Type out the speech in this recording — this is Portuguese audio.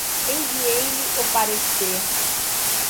Enviei-lhe o parecer